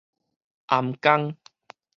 涵江